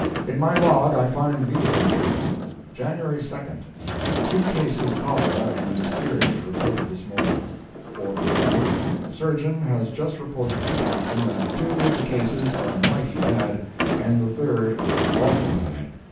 In my log I find these entries: "JANUARY 2d.—Two cases cholera in the steerage reported this morning." "4 P.M.—Surgeon has just reported to the Captain that 'two of the cases are mighty bad, and the third awful bad.'